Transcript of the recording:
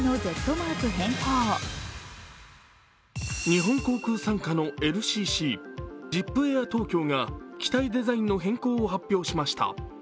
日本航空傘下のＬＣＣＺＩＰＡＩＲＴＯＫＹＯが機体デザインの変更を発表しました。